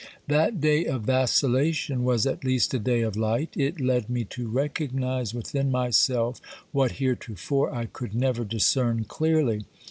That day of vacillation was at least a day of light ; it led me to recognise within myself what heretofore I could never discern clearly.